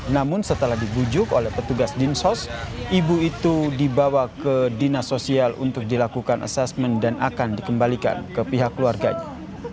namun setelah dibujuk oleh petugas dinsos ibu itu dibawa ke dinas sosial untuk dilakukan asesmen dan akan dikembalikan ke pihak keluarganya